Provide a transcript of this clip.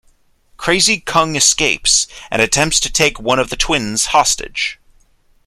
Crazy Kung escapes and attempts to take one of the twins hostage.